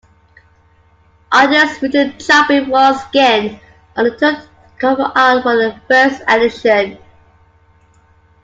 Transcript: Artist Richard Chopping once again undertook the cover art for the first edition.